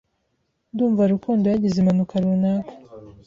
Ndumva Rukundo yagize impanuka runaka.